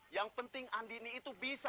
yang penting andi ini itu bisa